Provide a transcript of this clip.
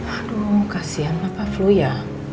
aduh kasihan papa flu ya